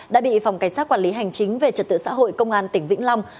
đã bị phòng cảnh sát quản lý hành chính về trật tự xã hội công an tỉnh vĩnh long